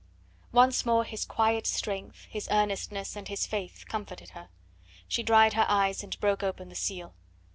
Once more his quiet strength, his earnestness and his faith comforted her. She dried her eyes and broke open the seal.